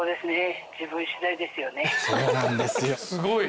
すごい。